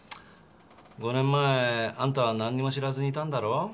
５年前あんたはなんにも知らずにいたんだろ？